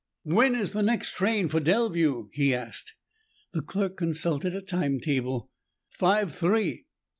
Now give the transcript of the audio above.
"When is the next train for Delview?" he asked. The clerk consulted a time table. "Five three."